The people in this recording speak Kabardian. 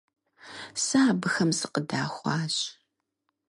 Сэ абыхэм сыкъыдахуащ.